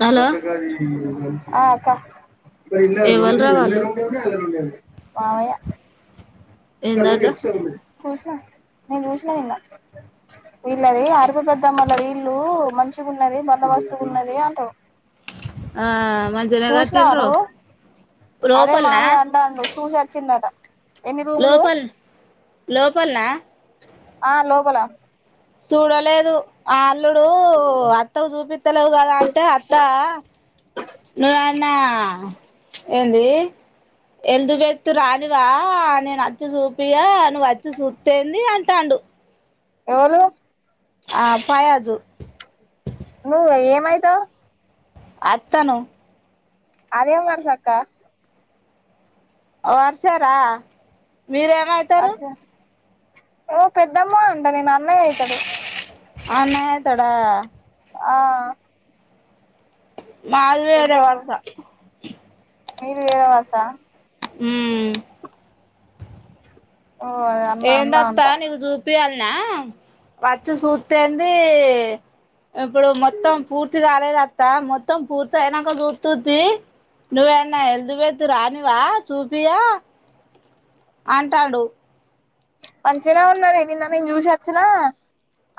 Hello ఒకక్క గది ఆ అక్క మరి ఇ రండి ఎవల్రా ఇల్ వాళ్ళు ర ఉండేవరా అలా ర [unintelligible] మావయ్య కడు ఏందట ఎ సో రూ చూసిన నేను చూసినా నిన్న వీళ్ళది అరపి పెద్దామళ్ళాది ఇల్లు మంచిగా ఉన్నది బందోబస్తుగా ఉన్నది అంటావు ఆ మంచిగనే చూసినావా కట్టిల్రు నువ్వు అదే లోపల్నా మామయ్య అంటాండు చూసి వచ్చిండట లోపల్ లోపలనా ఆ లోపల చూడలేదు ఆల్ అల్లుడు అత్తకు చూపితలేవు కదా అంటే అత్త మీ ఆయన ఏ ఏంది ఎందుకేతిర్రు రానిరా నేను అచ్చి చూపియా నువ్వు వచ్చి చూస్తే ఏంది అంటాడు ఎవళ్ళూ ఆ పవాజు నువ్ ఏమైతావ్ అత్తను అదేం వరిసాక్క వరుసే రా మీరేంమైతారు వరుస ఓ పెద్దమ్మ అంట నేను అన్నయ్య అయితాడు అన్నైతాడ ఆ మాదివేరే వరస మీరు వేరె బస్సా ఉ అమ్మ అమ్మ ఏందత్తా అంట నీగుజూ ప్పాలన్న వచ్చి చూతేంది ఇప్పుడు మొత్తం పూర్తి రాలేదు మొత్తం పూర్తి అయినాక చూత్తు తీ నువ్వేన్న ఎల్జీబెత్ రానివా చూపియా అంటాండు మంచిగనే ఉన్నది. నిన్న నేను చూసొచ్చిన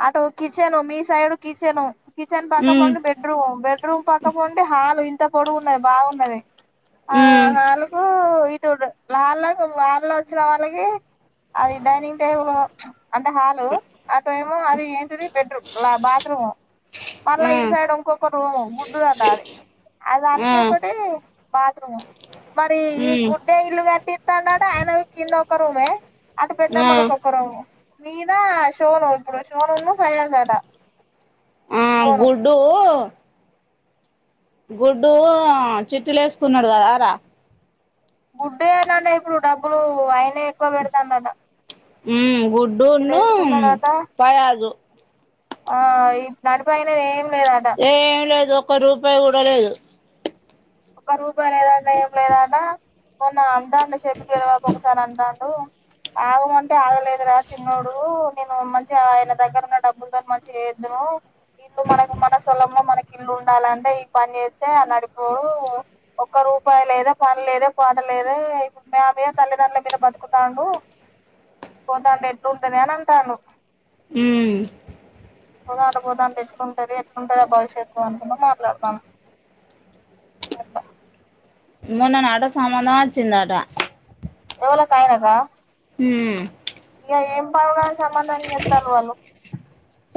అటు కిచెను మీ సైడ్ కిచెను. కిచెన్ ఉమ్ పక్కపోండి బెడ్రూమ్ బెడ్రూమ్ పక్క పోండి హాలు ఇంత పొడుగున్నది బాగున్నది ఆ ఉమ్ హాలు కు చూడు వాళ్ళకు వాళ్లు వచ్చిన వాళ్ళకి అది డైనింగ్ టేబుల్ అంటే హాలు అటేమో అది ఏంటిది బెడ్రూమ్ బాత్రూమ్ మళ్ళ ఆ ఇటు సైడ్ ఇంకొక రూమ్ గుడ్దకటాలి అ ఆ దానికి ఒకటి బా మరి ఈ ఉమ్ గుడ్డె ఇల్లు కట్టి ఇత్తాండట అయనకిన్న ఒక రూమే అటు ఆ పెద్దమ్మలకొక్కరోగం మీద షోను ఇప్పుడు షోనును ఫైనుందట ఆ గుడ్డు గుడ్డు ఆ చిట్టిలు వేసుకున్నాడు కదా రా గుడ్డ ఏంటే ఇప్పుడు డబ్బులు అయి గుడ్డే ఎక్కువ పెడతాండట మ్మ్ వీళ్ళు గుడ్డున్ను వేసుకున్నాడట పయాజు ఆ ఇ నడిపయిన ఏం లేదట ఏమి లేదు ఒక్క రూపాయి కూడలేదు ఒక రోజు వదలడం ఏంలేదట మొన్న అంటాండు చెషబ పెద్దబాపు ఒకసారి అంటాండు ఆగమంటే ఆగలేదురా చిన్నోడు నేను మంచిగా ఆయన దగ్గర ఉన్న డబ్బులతో మంచిగ చేద్దును ఇల్లు మనకు మన స్థలంలో మనకి ఇల్లు ఉండాలంటే ఈ పని చేస్తే ఆ నడిపోడు ఒక్క రూపాయి లేదా పని లేదె పాట లేదే మేమె తల్లిదండ్రుల మీద బతుకుతాండు పోతాంటె ఎట్లుంటంది అని అంటాండు హ్మ్ పోతాంటే పోతాంటే ఎట్లుంటది ఎట్లుంటదో భవిష్యత్తు అనుకుంటా మాట్లాడతాండు మొన్ననట సంబంధం వచ్చిందట ఎవలకు ఆయనకా హ్మ్ ఇక ఏం పనుందని సంబందం చేస్తాండ్రు వాళ్ళు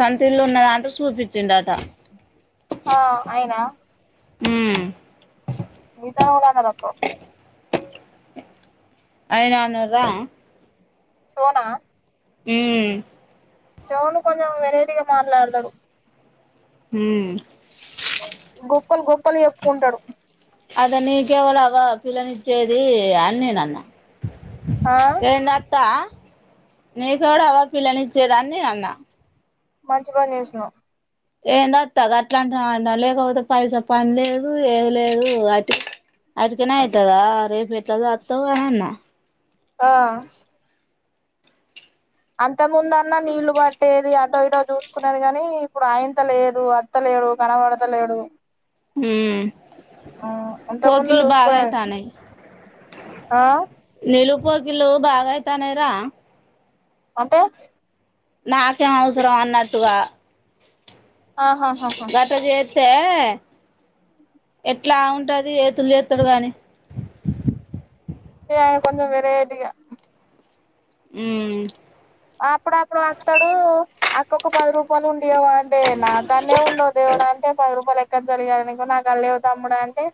సొంతిల్లు ఉన్నదా అంట సూపిచిండట ఆ అయినా మ్ మిగితా వాళ్ళవి గనుక్కో ఐదు అన్నారు రా సోనా మ్ షోను కొంచం వెరైటీగా మాట్లాడుతడు మ్ గొప్పలు గొప్పలు చెప్పుకుంటడు అద నీ కేవలగొ పిల్లనిచ్చేది అని నేను అన్న ఆ ఏందత్త నీకెవడు అవ పిల్లని ఇచ్చేదాన్ని అన్న మంచి పని జేసినవ్ ఏందత్త గట్ల అంటున్నావు అన్న లేకపోతే పైసా పని లేదు ఏంలేదు అటి అట్టిగనే ఐతదా రేపు ఎట్ల సాకతావు అనన్న ఆ అంత ముందు అన్న నీళ్లు పట్టేది అటో ఇటో చూసుకునేది గానీ ఇప్పుడు ఆయంత లేదు అత్తలేడు కనబడతలేడు మ్ ఇంత ముందు కోకిలు బాగా అయి చూసుకునేది తానే ఆ నీలు కోకిల్లు బాగా అయితానయరా అంటే నాకేం అవసరం అన్నట్టుగా ఆహాహాహా తే ఎట్ల ఉంటది ఎతులు చేస్తాడు కాగానీ కొంచెం వెరైటీగా ఉ అప్పుడు అప్పుడు అత్తడు అక్కొక్క పది రూపాయలు ఉంటియ్యావ అంటే నాకానే ఉండదు దేవడ అంటే పది రూపాయల అక్క జరిగాయనుకో నాకు అళ్ళ అవు తమ్ముడు అంటే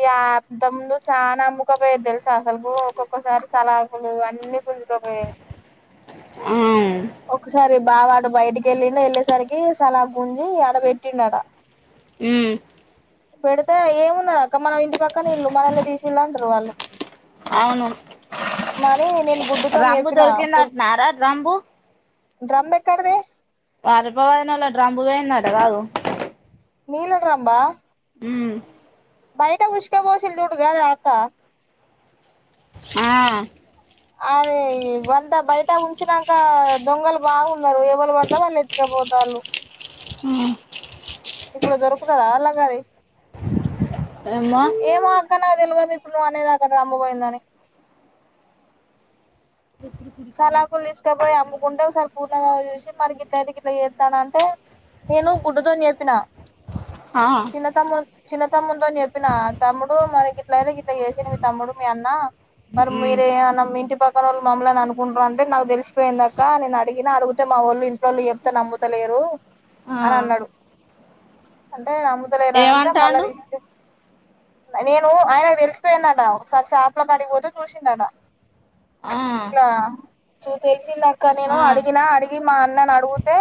ఈ అ తముందు చాలనా అమ్ముకపోయేది తెలుసు అసలు ఒక్కొక్కసారి సలాకులు అన్ని గుంజుకోపోయేది ఆ ఒక్కసా సర బాబడు బయటికి వెళ్ళండు వెళ్ళేసరికి సలా గుంజి ఆడ పెట్టిండు అడ ఉ పెడితే ఏమున్నా అక్క మనం ఇంటి పక్కన ఇల్లుు మనళ తీసిళ్ళ అంటారు వాళ్ళు అవును మని నేను గుడ్డుతోని రాంబు చెప్పిన దొరికిందట నా ర రాంబు డ్రమ్ ఎక్కడిది వాలపా వదినాల డ్రంపు పోయిందట గాదు నీళ్ల డ్రంబ్ ఆ ఊ బయట ఉష్క పోసలు చడుగాదాకా ఆ అది వంత బయట ఉంచినక దొంగలు బాగున్నారు ఏవలు పడితే వాళ్ళు ఎత్తికపోతాలు ఆ ఇప్పుడు దొరుకుత రా అలా గది ఏమో నాకు తెలివదు ఇప్పుడు అనేదాక డ్రంబ్ పోయిందని సలకులు తీసుకబోయ్ గుండె ఒకసారి పూర్ణంగా చేసి మనకి ఇట్ల అయితే ఇట్లా చేస్తాన అంటే నేను గుడ్డుదు అని చెప్పిన ఆ చిన్నత మ్ము చిన్నత తమ్ముంద అని చెప్పిన తమ్ముడు మనకి ఇట్లయితే ఇట్లా చేసాన మీ తమ్ముడు మీ అన్న ప ఉమ్ మేర ఆనమీ పక్కనొళ్ళు మమలా న అంట్ర అంటే నాకు తెలిసిపోయిందాక నేను అడిగినా అడిగితే మా వాళ్ళు ఇంట్లోళ్ళు చెప్తే నమ్ముతలేరు ఆ అని అన్నాడు ముదలై రాంట మళ్ల ఏమంటాండు తీసుకు నేను ఆయనకు తెలిసిపోయిందట ఒకసారి షాప్ లో ద అడిగిపోతే చూసిందట ఆ ఇట్లా తెల్సింది అక్క నేను ఆ అడిగినా అడిగి మా అన్నని అడిగితే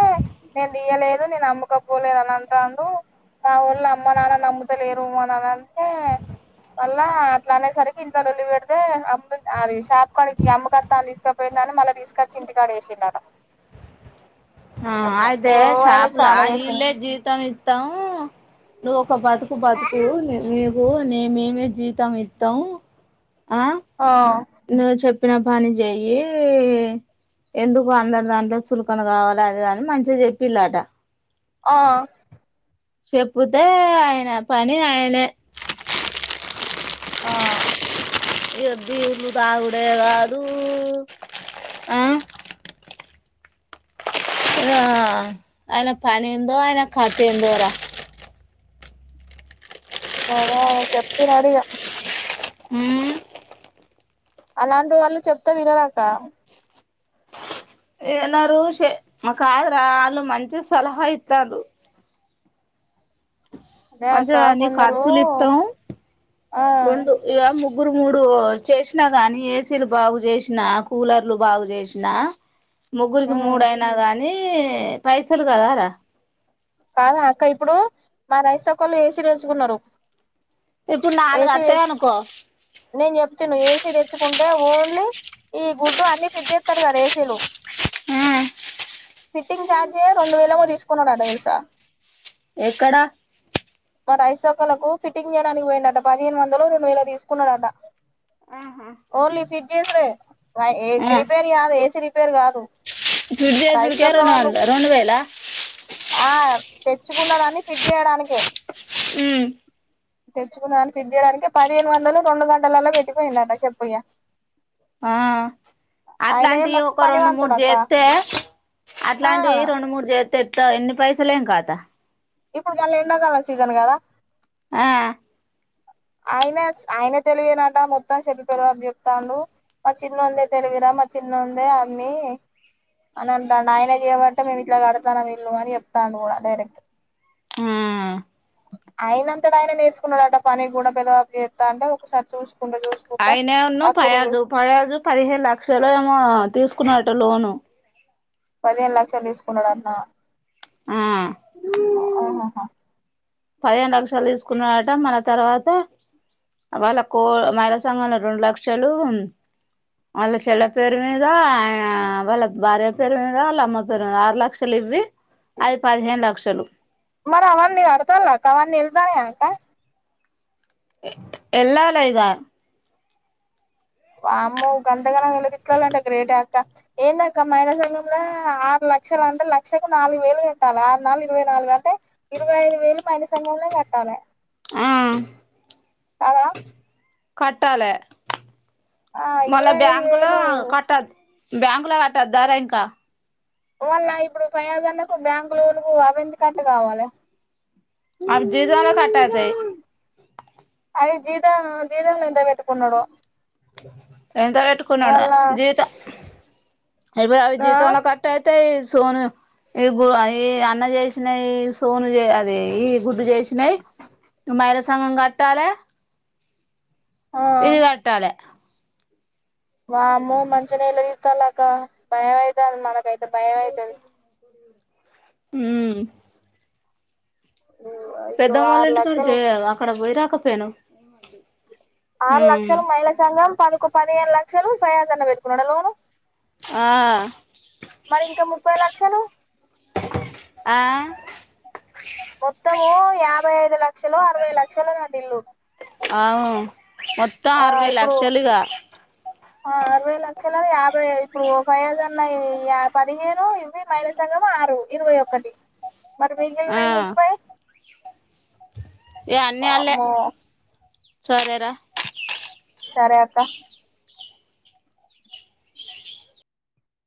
నేను దియలేదు నేను నమ్మకపోలేదు అని అంటుాను నా ఊళ్ళ అమ్మ నాన్నని నమ్ముతలేరు అని అని అంటే మళ్ళ అట్లా అనేసరికి ఇంట్లో లొల్లి పెడితే అమ్ అది షాప్ కాని అమ్మక తాను తీసుకపోయింద దాన్ని మళ్ళీ తీసుకొచ్చి ఇంటికాడ వేసిండట ఆ అట్లా ఓ అయితే ఆయన షాపులా చానా చేసిండు ఇల్లే జీతం ఇత్తాము ను బతుకు బతుకు నేమేమే జీతం ఇత్తం ఆ నన్ను చెప్పిన పని చెయ్యి ఎందుకు అందరు దాంట్లో చులకన కావాలి అది అని మంచిగా చెప్పిలాట ఆ చెప్పతే ఆయన పని ఆయనే ఆ ఇది ఉళ తాగుడే కాదు ఆ ఆ అయిన పని ఎందో అయిన కథ ఎందోరా అదే చెప్త నడిగా ఉమ్ అలాంటి వాళ్ళు చెప్తా వినరాక ఎనరు షే మా కాదురా అల్లు మంచిగా సలహా ఇత్తాల్లు అదే అక్క మంచిగాని కొందరు ఖర్చులు ఇత్తం ఆ రెండు ఇగ ము ముగ్గురు మూడు చేసినా గానీ ఏసీలు బాగు చేసినా కూలర్లు బాగు చేసినా ముగ్గురికి ఉమ్ మూడయినా గాని నీ పైసలు కదారా కాదా అక్క ఇప్పుడు మా రైస్కళ్ళు ఏసీ దెచ్చుకున్నరు ఇప్పుడు నాలుగు అత్తయి అనుకో నేను చెప్తును ఏసీ తెచ్చుకుంటే ఓ ఓన్లీ ఈ గుడ్డు అన్ని ఫిట్ చేత్తారు గదా ఏసీలు ఆ ఫిట్టింగ్ ఛార్జే రెండు వేలమో తీసుకున్నాడట తెలుసా ఎక్కడా లకు ఫిటింగ్ జేయడానికి పోయిండట పదిహేను వందలు రెండు వేలో తీసుకు కునడ ట ఆహా ఓన్లీ ఫి గీసరే ఏ ఆ క్రిపేర్యాద ఏసీ పేరు గా దు ఫ్రిడ్జ్ జేసుడుకే రెండువేల ఆ తెచ్చుకున్న దాన్ని ఫిడ్ చేయడానికే ఉ తెచ్చుకుందాని ఫిట్ జేయడానికే పదిహేను వందలు రెండు గంటలల్లో పెట్టిపోయిందట చెప్పయ ఆ ఆయనే అట్లాంటి మస్తు ఒక రెండు మూడు పనివంతుడు అక్క చేస్తే ఆ అట్లాంటి రెండు మూడు చేస్త ఎట్లా ఎన్ని పైస లేం కాదా ఇప్పుడు గలా ఎన్న కాలా సీజన్ కదా ఆ ఆయన ఆయన తెలివేనట మొత్తం చెప్పి పెదవాని చెప్తాడు మా చిన్నోందే తెలివిరా మా చిన్నోందే అన్ని అనంటండు ఆయన చేయమంటే మేము ఇల కడతాన్నం ఇల్లు అని చెప్తాండు గూడా డైరెక్ట్ ఊ ఆయనంతటాయన నేసుకున్నాడట పని కూడా పెదవాబ చేస్తా అంటే ఒకసారి చూసు అయినే ఉన్నా పయాజు పయాజు పదిహేను లక్షలు ఏమో తీసుకున్నట లోను పదిహేను లక్షలు తీసుకున్నాడంట్నా ఆ ఆఓహా ఆ పదిహేను లక్షలు తీసుకున్నారట మన తర్వాత వాళ్ళ కో మహిళా సంఘంలో రెండు లక్షలు వాళ్ళ చెల్ల పేరు మీద ఆ వాళ్ళ భార్య పేరు మీద వాళ్ళ అమ్మ పేరు మీద ఆరు లక్షలు ఇవవి అది పదిహేను లక్షలు మరి అవన్నీ కడతాల్ల అక్క అవన్నీ వెళ్తానే అక ఎల్లాలే ఇగ వామ్మో ఇంతగానం ఈల్లు చిక్కళ్లంటే గ్రేటే అక్క ఏందక్క మైల సంఘంలో ఆరు లక్షలంటే లక్షకు నాలుగు వేలు గట్టాల ఆరు నాలుగు ఇరవై నాలుగు అంటే ఇరువైదు వేలు పైన సంఘలో కట్టాలే ఆ కాదా కట్టాలే మల్ల ఇరవై ఐదు బ్యాంకలో వేలు కట్టదు బ్యాంకులో కట్టద్దారా ఇంకా వాళ్ళ ఇప్పుడు పయాదండకు బెంగళూరుకు అవంత కట్ట కావాలి అవి జీతంలో కట్టయితాయి అదే జీతా జీతం ఎంతా పెట్టుకున్నాడో ఎంత పెట్టుకున్నాడో వాళ్ళ జీతం ఎవరి ఎవరి ఆ జీతాలో కట్టా ఎయితేయి సోను ఈ గు ఈ అన్న చేసినాయి సోను అది ఈ గుడ్డు చేసినాయి మైళసంగం కట్టాలే ఆ ఇదిగాట్టాలే వామ్మో మంచినీళ్ళ తిద్ద లాగా భయంమైతుంది మనకైతే భయమైతది హ్మ ఇగో పెద్దమ్మళ్ళ ఆరు ఇంటి అక్కడ లక్షలు చేయదు అక్కడ పోయి రా కాపేను ఆరు లక్షలు మహిళా సంఘం పదకో పదిహేను లక్షలు ఫయాజ్ అన్న పెట్టుకున్నాడా లోను ఆ మరి ఇంకా ముప్పై లక్షలు ఆ మొత్తము యా భాయ్ ఐదు లక్షలో అరవై లక్షలో అండి ఇల్లు అవు మొత్తం అరవై ఇప్పుడు లక్షలుగా లక్ష యాభై ఇప్పుడు ఫైజన్నా పదిహేను ఇవవి మైనస్ అంగ ఆరు ఇరవై ఒకక్కటి మరి మీగీలీన్నా ముఫై ఏ అన్ని అల్లే సరెర సరే అక్క